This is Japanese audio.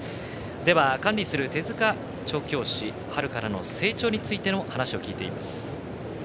では、管理する手塚調教師春からの成長についての話を聞いています。